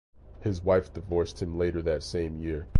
His wife divorced him later that same year.